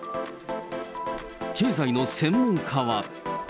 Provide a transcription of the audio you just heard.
経済の専門家は。